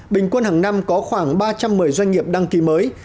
bình quân hàng năm có khoảng ba trăm một mươi doanh nghiệp đăng ký mới